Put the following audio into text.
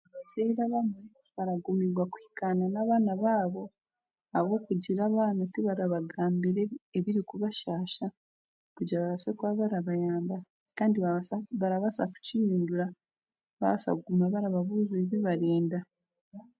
Abashaija abamwe baragumigwa kuhikaana n'abaana baabo ahabwokugira abaana tibarabagambira ebi ebirikubashaaha kugira babaase kuguma barabayamba, kandi barabasa barabasa kukihindura barabaasa kuguma barababuuza ebi barenda.